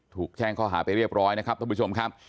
ถูกแจ้งข้อหาไปเรียบร้อยนะครับท่านผู้ชมครับ